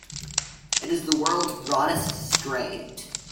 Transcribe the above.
It is the world's broadest strait.